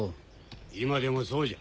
今でもそうじゃ。